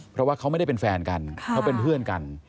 เพราะว่าเขาไม่ได้เป็นแฟนกันเขาเป็นเพื่อนกัน